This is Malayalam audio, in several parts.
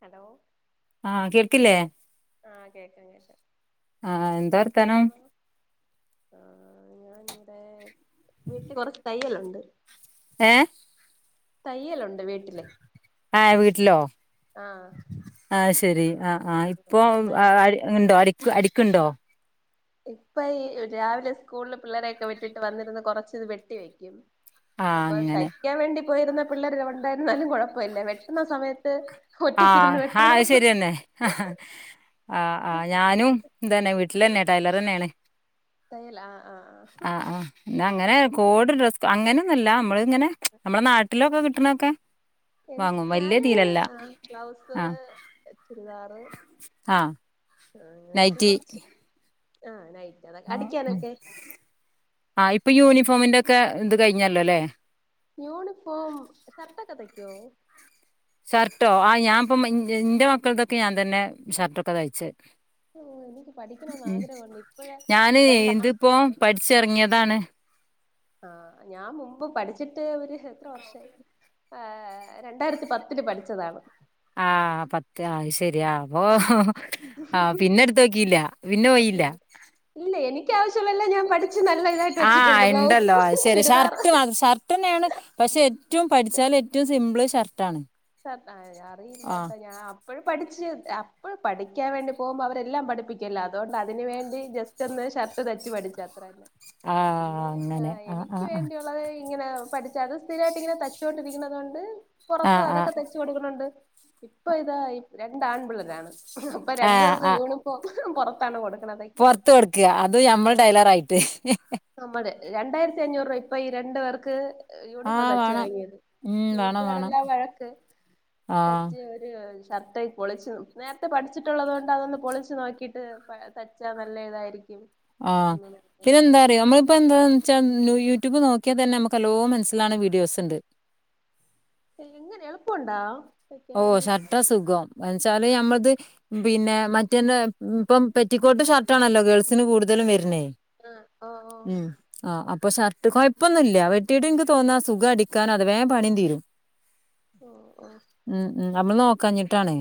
ഹലോ ആ കേൾക്കില്ലേ ആഹ് കേക്കാം കേക്കാം ആ എന്താ വർത്തനം ആ ഞാനിവിടെ വീട്ടില് കൊറച്ച് തയ്യല്ലുണ്ട് ഏ തയ്യലുണ്ട് വീട്ടില്. ആ വീട്ടിലോ? ആഹ്. ആ ശെരി ആ ആ് ഇപ്പൊ അപ്പ അയ്ന് ഉണ്ടോ അട അടിക്കുണ്ടോ? ഇപ്പ ഈ രാവിലെ സ്കൂളില് പിള്ളേരൊക്കെ വിട്ടിട്ട് വന്നിരുന്ന് കൊറച്ച് ഇത് വെട്ടി വെയ്ക്കും. ആഹ് അപ്പൊ അങ്ങനെ തയ്ക്കാൻ വേണ്ടി പോയിരുന്ന പിള്ളേര് രണ്ടായിരുന്നാലും കൊഴപ്പമല്ല വെട്ടുന്ന സമയത്ത്. ആഹ് ഒറ്റക്കിരുന്ന് ആ അത് വെട്ടണം ശരിയന്നെ. ആഹ് ആ ഞാനും ഇത് തന്നെ വീട്ടിൽ തന്നെയാ ടൈലർ തന്നെയാണ്. തയ്യലാ ആഹ് ആഹ് ആഹ്. അങ്ങനെ കോട് ഡ്രസ് അങ്ങനെയൊന്നുമല്ല നമ്മള് ഇങ്ങനെ നമ്മളെ നാട്ടിലൊക്കെ കിട്ടണൊക്കെ. വാങ്ങും വലിയ തിയിലല്ല. ഗ്ലൗസ്, ചുരിദാറ്, ആഹ് അങ്ങനെയൊക്കെ നൈറ്റി, കൊറച്ച് ആഹ് നൈറ്റ് അടിക്കാനൊക്കെ? ആഹ് ഇപ്പൊ യൂണിഫോമിന്റെ ഒക്കെ ഇത് കഴിഞ്ഞാലോല്ലേ. യൂണിഫോം ഷർട്ടൊക്കെ തയ്ക്കോ? ഷർട്ടോ ആ ഞാനിപ്പം എന്റെ മക്കളതൊക്കെ ഞാൻ തന്നെ ഷർട്ടൊക്കെ തയ്ച്ചേ. ഓ എനിക്ക് പഠിക്കണന്ന് ഉം ആഗ്രഹമുണ്ട് ഇപ്പോഴേ ഞാന് ഇതിപ്പോ രണ്ടാൺപിള്ളേരാണ് പഠിച്ചിറങ്ങിയതാണ്. ആഹ് ഞാൻ മുമ്പ് പഠിച്ചിട്ട് ഒരു രണ്ട് വർഷമായി. രണ്ടായിരത്തി പത്തില് പഠിച്ചതാണ്. ആഹ് പത്ത് ആ ശരിയാ അപ്പൊ ആഹ പിന്നെ എടുത്ത് നോക്കില്ല പിന്നെ പോയില്ല ഇല്ല എനിക്ക് ആവശ്യളെ അല്ലെ ഞാൻ പഠി ആഹ ഉണ്ടല്ലോ ശരി ചുരിദാറും ഷർട്ട് ഷർട്ട് തന്നെയാണ് പക്ഷെ ഏറ്റവും പഠിച്ചാാല ഏറ്റവും സിംപിൾ ഷർട്ടാണ് ഷർട്ടാണ് അറിയില്ല ആ ട്ടാ ഞാൻ അപ്പോഴ പഠിച്ച് അപ്പോഴ പഠിക്കാൻ വേണ്ടി പോകുമ്പോൾ അവരെല്ലാം പഠിപ്പിക്കില്ലോ അതുകൊണ്ട് അതിന് വേണ്ടി ജസ്റ്റ് ഒന്ന് ഷർട്ട് തച്ചു പഠിച്ച്‌ അത്രതന്നെ ആ പിന്നെ അങ്ങനെ ആ ആ എനിക്ക് ആ വേണ്ടിയുള്ളത് ഇങ്ങനെ പഠിച്ച അത് സ്ഥിരായിട്ടിങ്ങനെ തച്ചുകൊണ്ടിരിക്കുന്നത് കൊണ്ട് ആ പുറത്ത് അതൊക്കെ തൈച്ച് കൊടുക്കണണ്ട് ഇപ്പൊ ഇതാ രണ്ട് ആൺപിള്ളേരാണ് അപ്പൊ രണ്ടു പേർക്കും യൂണിഫോം പുറത്താണ് കൊടുക്കു പൊറത്ത് കൊടുക്കുക അത് ഞമ്മൾ ടൈലറായിട്ട് നമ്മള് രണ്ടായിരത്തി അഞ്ഞൂറ് രൂപ ഇപ്പൊ ഈ രണ്ടു പേർക്ക് ആ യൂണിഫോം തച്ചു വേണം വാങ്ങിയത് ഉം വേണം വേണം വീട്ടുകാരല്ലാം വഴക്ക് ആ തച്ച് ഒരു ഷർട്ട് പൊളിച്ച് നേരത്തെ പഠിച്ചിട്ടുള്ളത കൊണ്ട് അതൊന്ന് പൊളിച്ചു നോക്കിട്ട് തച്ചാ നല്ല ആയിരിക്കും ആഹ പിന്നെന്താ അറിയോ നമ്മളിപ്പ എന്താന്നുവെച്ച എന്താ ന്യു യൂട്യൂബ് നോക്കിയാൽ തന്നെ നമുക്ക് എല്ലോ മനസ്സിലാവണ വീഡിയോസ് ഉണ്ട് എങ്ങനെ എളുപ്പുണ്ടാ ഓ ഷർട്ടാ സുഖോ എന്നെച്ചാല് ഞമ്മളത് പിന്നെ മറ്റേന്ത ഇപ്പം പെറ്റിക്കോട്ട് ഷർട്ട് ആണല്ലോ ഗേൾസിന് കൂടുതൽ എല്ലാരും വരണേ ആ ഓ ഓ ഉം ആ അപ്പൊ ഇപ്പൊ ഷർട്ട് കുഴപ്പൊന്നും ഇല്ല വെട്ടീട്ട് എനിക്ക് തോന്നാ സുഖ അടിക്കാനും അത് വേഗം പണീം തീരും ഓ ഓ ഉം ഉ നമ്മള് നോക്കാഞ്ഞിട്ടാണ്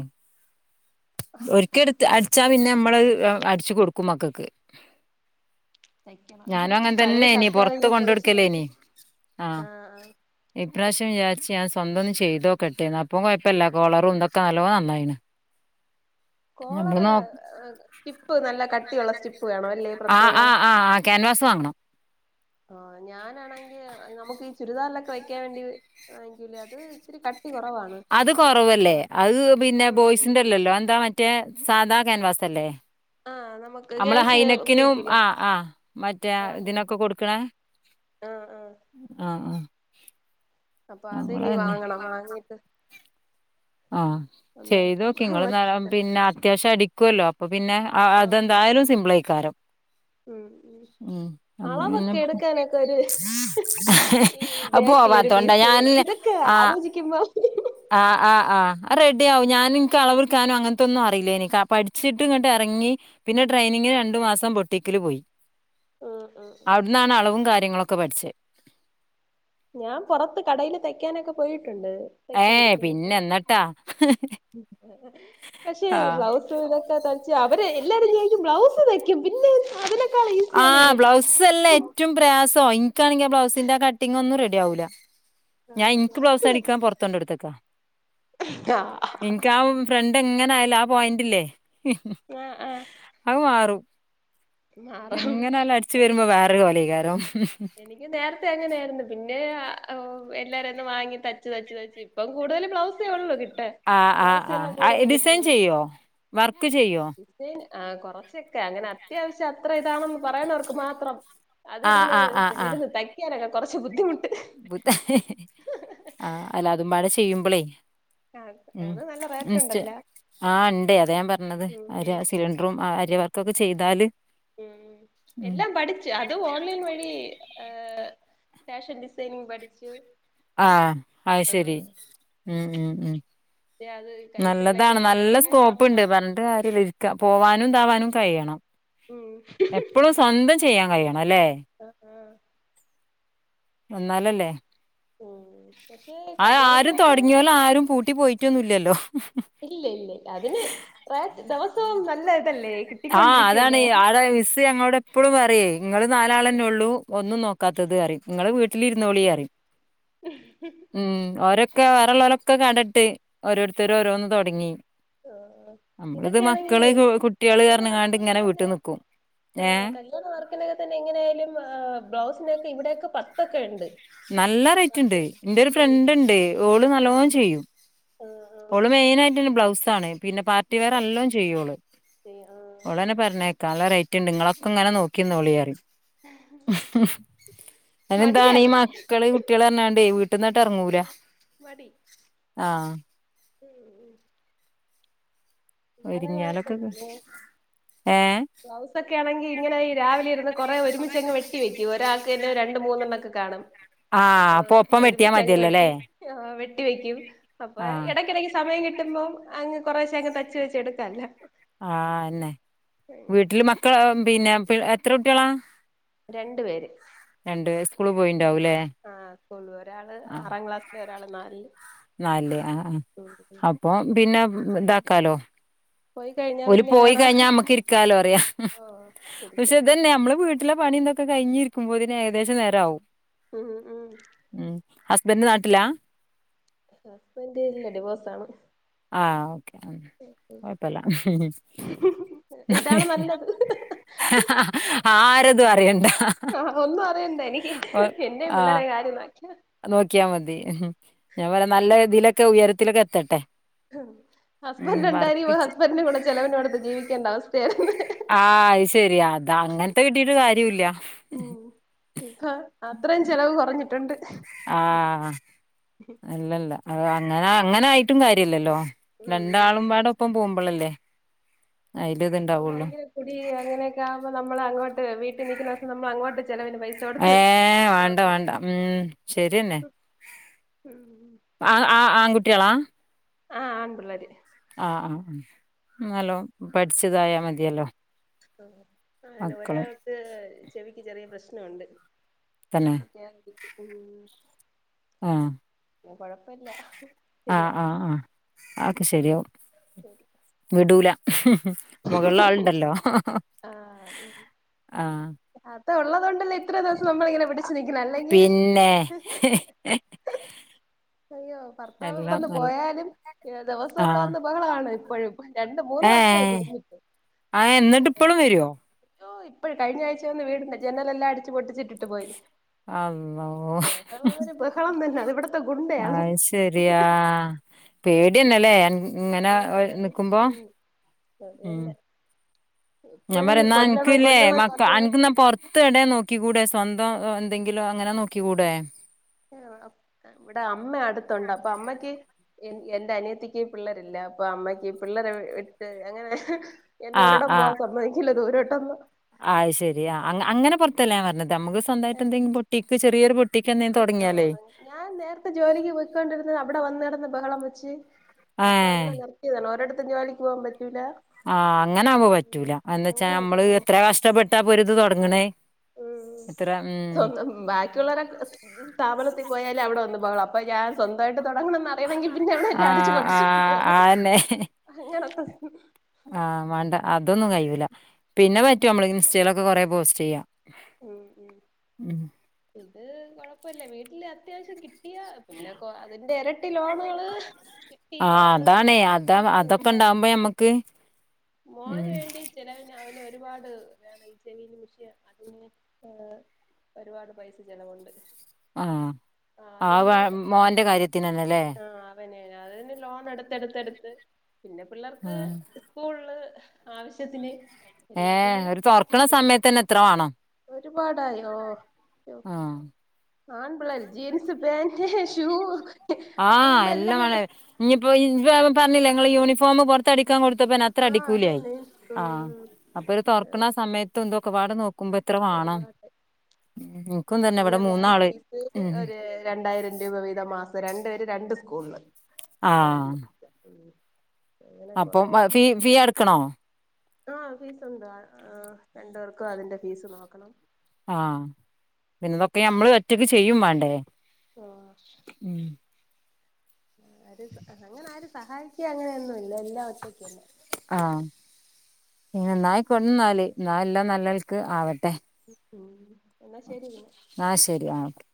ഒരിക്കടുത്ത് അടിച്ചാ പിന്നെ നമ്മള് അടിച്ചു കൊടുക്കും മക്കൾക്ക് തയ്ക്കണം ഞാനും അങ്ങനെ പഴയ ഷർട്ട് ആതെങ്കിലും പൊളിച്ചു നോക്കി ആഹ ആഹ് ആഹ് ഇപ്രാവശ്യം വിചാ ഞാൻ സ്വന്തം ഒന്ന് ചെയ്തോക്കെട്ടെന്ന് അപ്പൊ കൊഴപ്പല്ല കൊളറും ഇന്തൊക്കെ നല്ലോ നന്നായിന് കോളറ് സ്റ്റിപ്പ് നല്ല കട്ടിയുള്ള സ്റ്റിപ്പ് വേണം അല്ലേ ആഹ് പ്രത്യേകം ആഹ് ആഹ് ആഹ് ക്യാൻവാസ് വാങ്ങണം ആഹ ഞാനാണെങ്കിൽ നമുക്ക് ഈ ചുരിദാറിലൊക്കെ വെക്കാൻ വേണ്ടി വാങ്ങിക്കൂലേ അത് ഇത്തിരി ക അത് കൊറവല്ലേ അത് പിന്നെ ഉം ഉം ബോയ്സിന്റെല്ലല്ലോ എന്താ മറ്റേ സാദാ ക്യാൻവാസ് അല്ലേ ആഹ് നമുക്ക് നമ്മള് ഗേൾസിന് ഹൈനെക്കിനും ഉപയോഗിക്കൂലേ ആഹ ആഹ മറ്റേ ആഹ് അത് ഇതിനൊക്കെ കൊടുക്കണേ ആഹ് ആഹ് ആഹ ആ അപ്പൊ അതിനി വാങ്ങണം വാങ്ങിട്ട് ആഹ ഒന്ന് ചെയ്തോക്കെ നിങ്ങൾ വച്ചിട്ട് പിന്നെ അത്യാവശ്യം അടിക്കുവല്ലോ അപ്പൊ പിന്നെ ആഹ് അതെന്തായാലും സിംപിളൈക്കാരം ഉം പിന്നെ അളവൊക്കെ എടുക്കാനൊക്കെ [unintelligible] ഈ ബാക്കില് ഒരു പീസ് ഇതൊക്കെ ആലോചിക്കുമ്പോ ആ ആ ആഹ റെഡി ആവും ഞാന് ഇനക്ക് അളവൽക്കാനും അങ്ങനത്തെൊന്നും അറിയില്ലേനി എനിക്ക് പഠിച്ചിട്ട് ഇങ്ങട്ട ഇറങ്ങി പിന്നെ ട്രെയിനിങ്ങിനു രണ്ടു മാസം ബോട്ടിക്കില് പോയി ഉം ഉം ഉം അവിടന്നാണ് അളവും കാര്യങ്ങളൊക്കെ പഠിച്ചത് ഞാൻ പുറത്ത് കടേൽ തയ്ക്കാനൊക്കെ പോയിട്ട് ണ്ട് തയ്ക്കാൻ ഏഹ് ഇരിക്കാനൊക്കെ പിന്നെ എന്നിട്ടാ പക്ഷെ ആഹ് ബ്ലൗസ് ഇതൊക്കെ തച്ച് അവരെ എല്ലാരും ചോയ്ക്കും ബ്ലൗസ് തയ്ക്കും പിന്നെ അതിന ആഹ് ബ്ലൗസ് അല്ല ഏറ്റവും പ്രയാസം എനിക്കാണെങ്കിൽ ആ ബ്ലൗസിന്റെ കട്ടിംങ് ഒന്നു റെഡി വൂല്ല ഞാൻ ആഹ് ഇൻക്ക് ബ്ലൗസ്സ് ബ്ലൗസ് തയ്ക്ക അടിക്കാൻ പുറത്തു കൊണ്ട് കൊടുത്തേക്കാ എൻക്ക് ആ ഫ്രണ്ട് എങ്ങനെ ആയാലും ആ പോയിന്റില്ലേ? ഹ് ഹ് ആഹ് ആഹ് അഹ് മാറും. മാറും എങ്ങനല്ല അടിച്ചു എനി വെരുമ്പോ വേറെരു കോലേയ്കാരം. എനിക്ക് നേരത്തെ അങ്ങനായിരുന്നു പിന്നെ ആ ഓ എല്ലാരാന്നും വാങ്ങി തച്ച് തച്ച് തച്ച് ഇപ്പം കൂടുതൽ ബ്ലൗസെ ഒള്ളു കി ആ ആ ആ ആ ഡിസൈൻ ചെയ്യോ വർക്ക് ചെയ്യോ? ആഹ് കൊറച്ചൊക്കെ അങ്ങനെ അത്യാവശ്യം അത്ര ഇതാണെന്ന് പറയുന്നവർക്ക് മാത്രം ആഹ് അതിരുന്ന് ആഹ് ആഹ് ആഹ് ഇതിലിന്ന് തൈക്കാനൊക്കെ കുറച്ച് ബുദ്ധിമുട്ട് ബുദ്ധ ആഹ് അല്ല അതുമ്പാടെ ചെയ്യുമ്പളേ ആ ഉം അത് നല്ല റേറ്റ് ഇൻസ്റ്റേ ഉണ്ടല്ല ആഹ് ഇണ്ട് അതാ ഞാൻ പറണത് ഒര് ആ ഉം സിലിഡ്രും അരിവർക്കൊക്കെ ചെയ്താല് ഉം ഉം എല്ലാം പഠിച്ച് അതും ഓൺലൈൻ വഴി ആ ഫാഷൻ ഡിസൈനിങ് പഠിച്ചു. ആഹ് ആയ് ആ ശരി ഉം മ് മ്. അത് കൈത്തയിലൊക്കെ നല്ലതാണ് ഇട്ട് നല്ല കൊറേ സ്കോപ്പ്ണ്ട് സമയാവും പറഞ്ഞിട്ട് കാര്യല്ല്യ ഇരിക്ക പോവാനും താവാനും കയ്യണം. ഉം എപ്പളും സ്വന്തം ചെയ്യാ കയ്യണം. ആ ആ എന്നാലല്ലേ ഉം പക്ഷെ ആ ആരും കല്യാണത്തിനൊക്കെ തൊടങ്യോല് ആരും പൂട്ടി പോയിട്ടൊന്നും ഇല്ലല്ലോ ഹ് ഹ് ഇല്ല ഇല്ല ഇല്ല അതിന് ഏ ദെവസവും നല്ലെ ആഹ് അതാണ് ആടെ മിസ് ഞങ്ങളോട് എപ്പോഴും പറയേ ഇങ്ങള് നാലാളെന്നെ ള്ളൂ ഒന്നും നോ [unintelligible] കാത്തത് അറിയൂ ഇങ്ങള് വീട്ടിലിരുന്നോളി അറിയും മ് ഒരൊ ക്കെ വേറെലൊരോക്കെ കടയിട്ട് ഓരോരുത്തര് ഓരോന്ന് തൊടങ്ങി. ആഹ് അമ്മള്ത് ഇതൊക്കെയാണെങ്കി മക്കള് ത് കുട്ടികള് പറഞ്ഞു ങ്ങാണ്ട് ഇങ്ങനെ വീട്ട് നിക്കും. ആ ഏ കല്യാണ വർക്കിനൊക്കെ തന്നെ എങ്ങനെയാലും ബ്ലൗസിനോക്കെ ഇവിടെക്കെ പത്തൊക്കെ യുണ്ട്. നല്ല റേറ്റ്ണ്ട് ന്റെ ഒരു ഫ്രണ്ട് ണ്ട് ഓള് നല്ലോം ചെയ്യും. ആഹ് ആഹ് ഓള് മെയിനായിട്ട് തന്നെ ബ്ലൗസാണ്. പിന്നെ പാർട്ടി വെയർ എല്ലം ചെയ്യു ഓള് ശരി ആഹ് ഓളെന്നെ പറയണെ കേ ക്കാം. നല്ല റേറ്റ് ഇണ്ട് ഇങ്ങളൊക്കെ ങ്ങനെ നോക്കിന്നൊളി പറയും ഹ് ഹ്. ആയി ന്നെന്താണ് ഈ മടിയാണ് മക്കള് കുട്ടിള് പറഞ്ഞു ങ്ങാ വീട്ടിന്നാങ്ങാട്ട് എറങ്ങൂലെ പടി. ആഹ് മ് ഉം ഇല്ലാതെ ഒരുങ്ങിയാലൊക്കെ കൊയപ്പല്ലെ ഏഹ് ബ്ലൗസ് ഒക്കെ ആണെങ്കി ഇങ്ങനെ ഈ രാവിലെ ഇരുന്ന് കൊറേ ഒരുമിചങ്ങ് വെട്ടി വെക്കും. ഇ ഒരാൾക്ക്ന്നെ രണ്ട് മൂന്നെണ്ണം കെ കാണും. ആഹ് - അപ്പൊ ഒരുമിച്ചങ്ങ് വെട്ടി ആ വെട്ടി വെയ്കും അപ്പൊ ആഹ് എടക്കടക്ക് സമയം കിട്ടുമ്പോ അങ്ങ് കൊറശേ അങ് തച്ചു വെച്ച് എട്ക്കല്ല ആഹ അന്നെ വീട്ടില് മക്കൾ ആ പിന്നെ പി എത്ര കുട്ട്യേളാ.? രണ്ട് പേര്. സ്കൂള് ! മ് പോയിണ്ടാവൂലേ ആഹ് സ്കൂള ഒരാള് ആറാം ക്ലാസില് ഒരാള് നാല്ല്. നല് ആഹ് അ അപ്പൊ പിന്നെ താക്കാലോ പോയി കഴിഞ്ഞാ ഒരു പിന്നെ പോയി വേറെ കഴിഞ്ഞാ മ്മക്ക് ഇരിക്കാലോ അറിയ ഓഹ് ഇരിക്കാം പഷെ ഇതന്നെ നമ്മള് വീ ട്ട്ലെ പണിതൊക്കെകയിഞ്ഞിരിക്കുമ്പോ ഒര് ഏകദേശ നേരം ആവും. ഉം ഉം ഹസ്ബന്റ് നാട്ടില്ലാ.? ഹസ്ബന്റ് ഇല്ല ഡിവോസ് ആണ്. ആഹ് ഓക്കെ മ് കൊഴപ്പല്ല ഇതാണ് നല്ലത് ആരതും അറിയണ്ട ആഹ് ഒന്നും അറിയണ്ട എനിക്ക് പിന്നെ പിള്ളേരെ കാര്യം [inaudible] നോക്കിയാൽ മതി ഞാൻ പറ നല്ല ഇതിലൊക്കെ ഉയരത്തിലൊക്കെ എത്തട്ടെ ഉം ഹസ്ബൻഡ് ഉണ്ടായി വർക്കിച്ച് ഹസ്ബൻഡന് കൂടെ ചെലവിനൊടുത്ത് ജീവിക്കേണ്ട അവസ്ഥയായിുന്ന ആഹ് അത് ശരിയാ അതാ അങ്ങനത്തെ കിട്ടീട്ട് കാര്യമല്ല ഉം ഇപ്പൊ അത്രയും ചെലവ് കുറഞ്ഞിട്ടുണ്ട് ആഹ് അല്ലല്ല അ അങ്ങനെ അങ്ങനെ ആയിട്ടും കാര്യല്ലല്ലോ ഉം രണ്ടാളും പാടൊപ്പം പോകുമ്പോ നമ്മളല്ലേ ഭയങ്കര കുടി അങ്ങനെയൊക്കെ ആകുമ്പോ നമ്മള് അങ്ങോട്ട് വീട്ടിൽ നിക്കുന്നം നമ്മൾ അങ്ങോട്ട് ചെലവിന് പൈസ കൊടുത്ത് ഏഹ് വേണ്ട നോക്കണം വേണ്ട ഉം ശരിന്നെ ആഹ് ആഹ് ആൺകുട്ടിയളാം ആഹ് ആൺപിള്ളേര് ആഹ് ആഹ് ആ എന്നാലോ പഠിച്ചതായാ മതിയല്ലോ ആഹ് അങ്ങനെ മക്കള് ഒരാൾക്ക് ചെവിക്ക് ചെറിയ പ്രശ്നംണ്ട് തന്നെ ഉം ആഹ് കൊഴപ്പല്ല ആ ശരിയാവും ആ അതൊക്കെ ശരിയാവും വിടൂല മുകളില ആളണ്ടല്ലോ ആഹ് ആഹ ഉള്ളതൊണ്ടല്ല ഇത്ര ദിവസം നമ്മള ഇങ്ങനെ പിന്നെ അയ്യോ ഭർത്താവ് എല്ലാം ഇവിടെന്ന് നല്ല പോയാലും ഏ ദിവസം ആ ഇവിടെ വന്ന് പോഹളണ ഴ രണ്ട് മൂന്ന് വർഷ ആയിട്ടും ആഹ എന്നിട്ട് ഇപ്പോഴും വരുവോ? ഓഹ് ഇപ്പോഴിഞ്ഞ ആഴ്ച വന്ന് വീടുണ്ടണ്ട് ജനല എല്ലാം അടിച്ച് പൊട്ടിച്ചിട്ടിട്ട് പോയി അള്ളോ ബള ബഹളം തന്നെ അത് ഇവിടത്തെ ഗുണ്ടയാണ് അഹ് ശെരിയാ പേടിയന്നല്ലേ ഇങ്ങനെ അയ്യോ പേടി നിക്കുമ്പോ ഉം അത് ഉം തന്നെ ഞാൻ ഇപ്പഴീ പറയുന്ന കൊല്ലണം എനക്ക്ല്ലേ കൊല്ലണം കൊല്ലണം എനക്ക്ന്നാ പൊറത്ത് ഇട നോക്കി കൂടെ സ്വന്തം എന്തെങ്കിലും അങ്ങനെ നോക്കി കൂടേ ഇവിടെ അമ്മ അടുത്തുണ്ട് അപ്പൊ അമ്മയ്ക്ക് എ എൻന്റെ അനിയത്തിക്ക് പിള്ളരില്ല അപ്പൊ അമ്മയ്ക്ക് പിള്ളേരെ വിട്ട് അങ്ങനെ എന്നെ ഒരിടം പോകാൻ സമ്മതിക്കില്ല ദൂരോട്ടൊന്നും ആഹ് ശരി ആ അങ്ങനെ പുറത്തല്ല ഞാൻ പറഞ്ഞത് നമ്മക്ക് സ്വന്തമായിട്ട് എന്തെങ്കും പൊട്ടിക്ക് ചെറിയരു പൊ ഓ ഞാൻ നേരത്തെ ജോലിക്ക് പോയിക്കോണ്ടിരുന്ന അവിടെ വന്നിടന്ന് ബഹളം വെച്ച് ഏ അപ്പൊ അങ്ങനെ നിറർത്തിയതാണ് ഒരിടത്തും ജോലിക്ക് പോകൻ പറ്റ ആഹ് അങ്ങനൊവവുമ്പോ പറ്റൂല എ വച്ചാ നമ്മള് അങ്ങനെയൊക്കെ എത്ര കഷ്ടപ്പെട്ടാ പൊരത് തുടങ്ങണേ ഉ എത്ര ഉം സ്വന്തം ബാക്കിയുള്ളര സ്ഥാപനത്തിൽ പോയല് അവിടെ വന്ന് അപ്പ ഞാൻ സ്വന്തമായിട്ട് തുടങ്ങണംന്ന് അറിയണെങ്കിൽ പിന്നെ അവിടെ ആ എല്ലാം അടിച്ചു കൊണ്ട് ആ ചുട്ടിട്ട് വര് ആന്നെ അങ്ങനൊക്കെ ആ വേണ്ട അതൊന്നും കഴിവൂല പിന്നെ പറ്റൂ നമ്മള് ഇൻസ്റ്റയിലൊക്കെ കൊറെ പോസ്റ്റ് ചെയ്യാം ഉം അത് കൊഴപ്പല്ല വീട്ടില് അത്യാവശ്യം കിട്ടിയ പിന്നെ അതിന്റെ ഇരട്ടി ലോണുകള് കിട്ടി ആ ലോണ് അത് അതാണേ അതൊക്കെ അതാ ഉണ്ട് അതൊക്കെ ഒരുപാട് ഇണ്ടാവുമ്പോ ഞമ്മക്ക് മോന് ഉം വേണ്ടി ചെലവിന് അവന് ഒരുപാട് വേണം ഈ ചെവിൽ മെഷീൻ അതിന് ഒരുപാട് പൈസ ചലവുണ്ട് ആ ആ വ മോന്റെ കാര്യത്തിനന്നല്ലേ അവനെ അത് ലോൺ എടുത്ത്ടുത്ത്ടുത്ത് പിന്നെ പിള്ളേർക്ക് ആഹ് ഉള്ളത് ആവശ്യത്തിന് എല്ലാത്തിന് ഏഹ് ഒരു തൊറക്കണ സമയത്തന്നെ എത്ര ഒരുപാടായോ ആ ആൺപിള്ളേര് ജീൻസ് പാന്റ് ഷു ആഹ് എല്ലാമാണ ഇനിയിപ്പോ ഇ പറഞ്ഞില്ല ഇങ്ങള് യൂണിഫോം പുറത്ത് അടിക്കാൻ കൊടുത്ത പ്പ അത്ര ആഹ് അത് അടിക്കൂലിയയി തന്നെ ആ ഉം അപ്പൊ ഒരു തുറർക്കണ സമയത്ത് ത് ഒക്കെ പാടെ നോക്കു... ക്കുമ്പോ എത്ര വാണ്ണം ഒരുപാട് പിന്നെ വെ ഫീസ് ഉം ഒരു രണ്ടായിരം രൂപ വീതം മാസം രണ്ട്.. രണ്ട് സ്കൂള് അപ്പൊ രണ്ട് അങ്ങനെ അപ്പൊ ഫീ ഫീ അടക്കണോ ആ ഫീസണ്ട് ആ രണ്ടു പേർക്കും അതിന്റെ ഫീസ് നോക്കണം ആ പിന്നെ ഇതൊക്കെ നഞമ്മള് ഒറ്റക്ക് ചെയ്യും വേണ്ടേ... ഉം അത് അങ്ങനെ ആര് സഹായിക്കാ അങ്ങനെയൊന്നുംല്ല എല്ലാം ഒറ്റക്ക്ന്നെ ആഇന്നായി കൊണ്ടന്നാല് ഇന്നൽ എല്ലാം നല്ലൾക്ക് ആവട്ടെ ഉം എന്നാ ശരി പിന്നെ ആ ശരിഓക്കേ